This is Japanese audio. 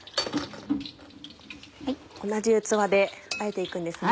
同じ器であえて行くんですね。